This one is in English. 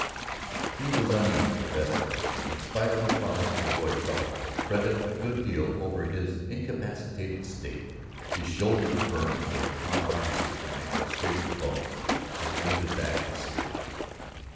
He was uneasy for Vesta that day, in spite of her promise to avoid trouble, and fretted a good deal over his incapacitated state. His shoulder burned where Tom Hargus' knife had scraped the bone, his wounded back was stiff.